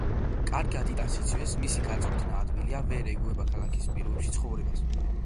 კარგად იტანს სიცივეს, მისი გაწვრთნა ადვილია, ვერ ეგუება ქალაქის პირობებში ცხოვრებას.